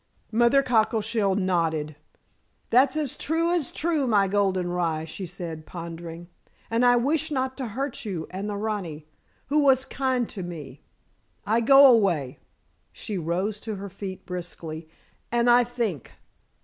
Mother Cockleshell nodded. "That's as true as true, my golden rye," she said pondering. "And I wish not to hurt you and the rani, who was kind to me. I go away," she rose to her feet briskly, "and I think.